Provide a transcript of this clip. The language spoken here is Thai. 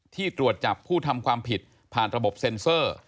ตรวจจับผู้ทำความผิดผ่านระบบเซ็นเซอร์